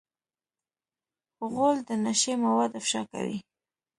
غول د نشې مواد افشا کوي.